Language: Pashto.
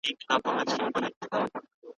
ټولنه د بدلون په حال کي ده.